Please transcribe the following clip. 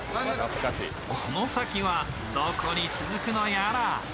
この先はどこに続くのやら。